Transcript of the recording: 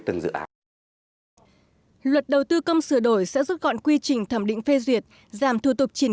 từng dự án luật đầu tư công sửa đổi sẽ rút gọn quy trình thẩm định phê duyệt giảm thủ tục triển